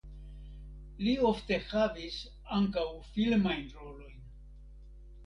Li ofte havis ankaŭ filmajn rolojn.